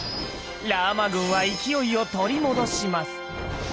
ラーマ軍は勢いを取り戻します。